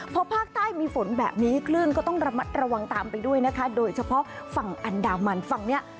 พอภาคใต้มีฝนแบบนี้คลื่นก็ต้องระมัดระวังตามไปด้วยนะคะโดยเฉพาะฝั่งอันดามันฝั่งนี้